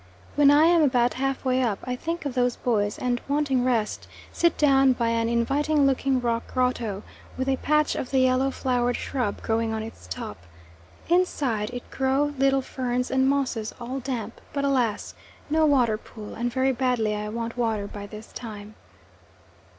When I am about half way up, I think of those boys, and, wanting rest, sit down by an inviting looking rock grotto, with a patch of the yellow flowered shrub growing on its top. Inside it grow little ferns and mosses, all damp; but alas! no water pool, and very badly I want water by this time.